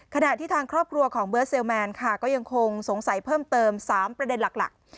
ขณะที่ทางครอบครัวของเบิร์ดเซลแมนค่ะก็ยังคงสงสัยเพิ่มเติม๓ประเด็นหลัก